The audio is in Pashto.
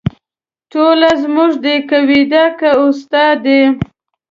ټوله زموږ دي که ویدا که اوستا ده